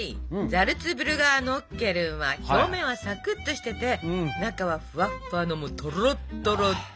ザルツブルガーノッケルンは表面はさくっとしてて中はふわっふわのもうとろっとろです！